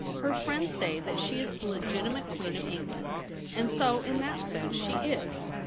' Her friends say that she is the legitimate Queen of England ; and so in that sense she is.